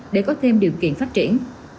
để có thêm điều kiện phát triển